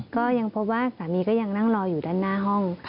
ก็ยังพบว่าสามีก็ยังนั่งรออยู่ด้านหน้าห้อง